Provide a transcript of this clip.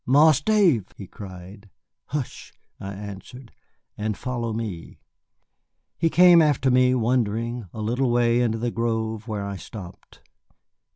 "Marse Dave!" he cried. "Hush," I answered, "and follow me." He came after me, wondering, a little way into the grove, where I stopped.